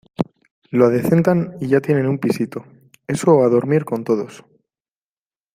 lo adecentan y ya tienen un pisito. eso o a dormir con todos .